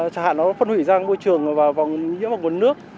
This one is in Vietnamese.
chẳng hạn nó phân hủy ra môi trường và vòng nhiễm vào nguồn nước